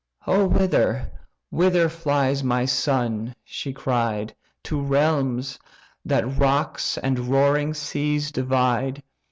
"O whither, whither flies my son (she cried) To realms; that rocks and roaring seas divide?